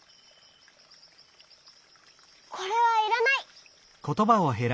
これはいらない。